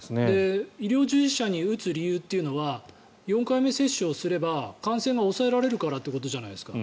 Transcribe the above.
医療従事者に打つ理由というのは４回目接種をすれば感染が抑えられるからということじゃないですか。